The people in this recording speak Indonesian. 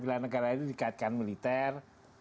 bela negara ini dikaitkan militer